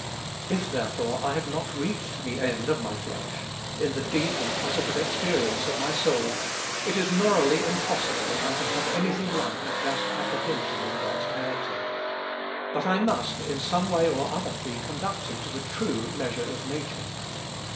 If, therefore, I have not reached the end of my flesh, in the deep and positive experience of my soul, it is morally impossible that I can have any thing like a just apprehension of God's character. But I must, in some way or other, be conducted to the true measure of nature.